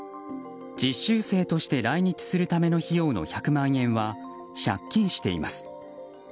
実習生として来日するための費用の１００万円は借金しています。